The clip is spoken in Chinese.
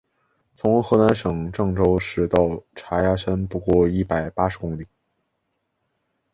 从河南省会郑州市到嵖岈山不过一百八十公里。